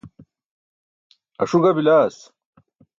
Aṣu ga bilaas.